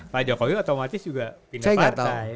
pak jokowi otomatis juga pindah partai